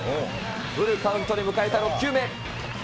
フルカウントで迎えた６球目。